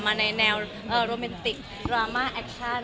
ในแนวโรแมนติกดราม่าแอคชั่น